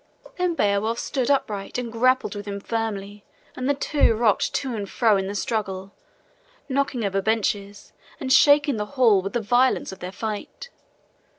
Then Beowulf stood upright and grappled with him firmly, and the two rocked to and fro in the struggle, knocking over benches and shaking the hall with the violence of their fight.